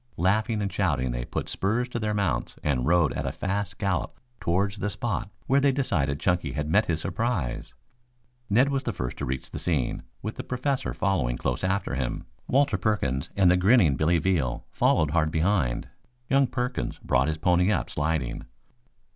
Laughing and shouting they put spurs to their mounts and rode at a fast gallop towards the spot where they decided Chunky had met his surprise. Ned was the first to reach the scene, with the Professor following close after him, Walter Perkins and the grinning Billy Veal following hard behind. Young Perkins brought his pony up sliding.